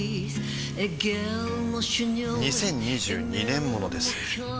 ２０２２年モノです